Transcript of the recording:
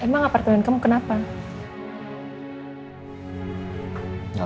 emang apartemen gue gak ada apa apa